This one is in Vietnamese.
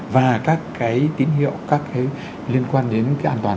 điể tín hiệu an toàn giao thông